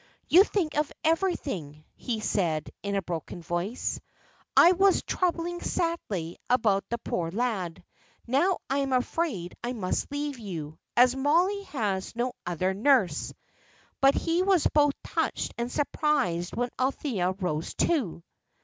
"You think of everything," he said, in a broken voice. "I was troubling sadly about the poor lad. Now I am afraid I must leave you, as Mollie has no other nurse." But he was both touched and surprised when Althea rose, too.